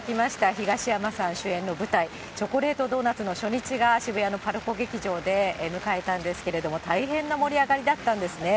東山さん主演の舞台、チョコレートドーナツの初日が渋谷のＰＡＲＣＯ劇場で迎えたんですけれども、大変な盛り上がりだったんですね。